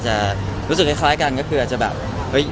อย่างเจนฟ์เนี่ยเขาอยากมีดวงบางที